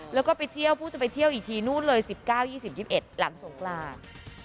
แล้วก็ไปเที่ยวเพิ่งจะไปเที่ยวอีกทีนู่นเลย๑๙๒๐๒๑หลังสงกราน